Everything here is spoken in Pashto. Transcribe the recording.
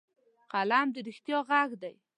قلم د رښتیا غږ دی